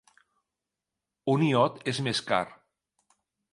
Un iot és més car.